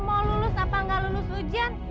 mau lulus apa enggak lulus ujian